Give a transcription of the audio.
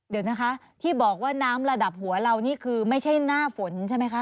เดี๋ยวนะคะที่บอกว่าน้ำระดับหัวเรานี่คือไม่ใช่หน้าฝนใช่ไหมคะ